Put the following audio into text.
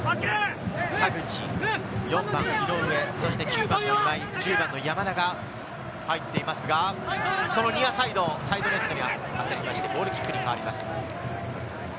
田口、井上、９番の今井、１０番の山中が入っていますが、サイドネットに当たりましてゴールキックに変わります。